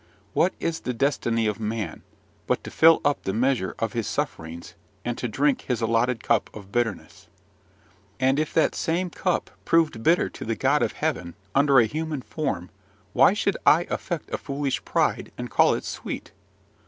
What is the destiny of man, but to fill up the measure of his sufferings, and to drink his allotted cup of bitterness? And if that same cup proved bitter to the God of heaven, under a human form, why should I affect a foolish pride, and call it sweet?